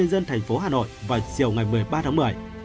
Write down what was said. ubnd tp hà nội vào chiều ngày một mươi ba tháng một mươi